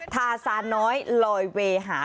ซาซาน้อยลอยเวหา